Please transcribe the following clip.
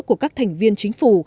của các thành viên chính phủ